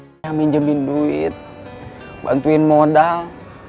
hai yang minjemin duit bantuin modal